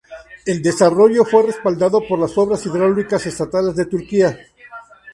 El desarrollo fue respaldado por las Obras hidráulicas estatales de Turquía.